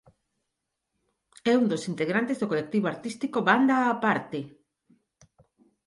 É un dos integrantes do colectivo artístico "Banda Á parte.